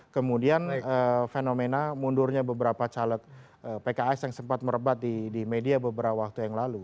kemudian fenomena mundurnya beberapa caleg pks yang sempat merebat di media beberapa waktu yang lalu